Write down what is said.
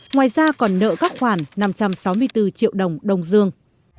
ngoài ra còn nợ các khoản năm trăm sáu mươi bốn triệu đồng đông dương